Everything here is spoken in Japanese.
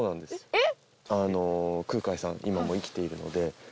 えっ！